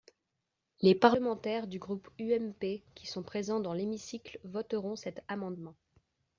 Les parlementaires du groupe UMP qui sont présents dans l’hémicycle voteront cet amendement.